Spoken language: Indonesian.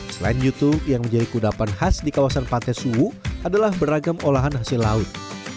selain yutu yang menjadi kudapan khas di kawasan pantai suwu adalah beragam olahan hasil laut